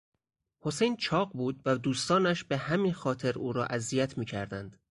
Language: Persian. حسین چاق بود و دوستانش به همین خاطر او را اذیت میکردند.